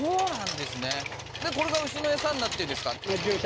でこれが牛の餌になってるんですか？